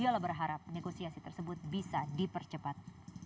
yola berharap negosiasi tersebut bisa dipercepat